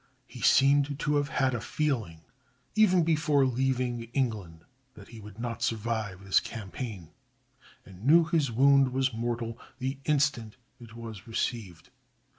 He seemed to have had a feeling, even before leaving England, that he would not survive this campaign, and knew his wound was mortal the instant it was received.